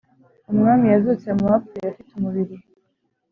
Umwami yazutse mubapfuye afite umubiri